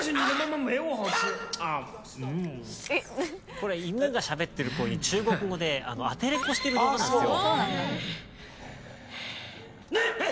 これ犬がしゃべってる声に中国語でアテレコしてる動画なんですよ。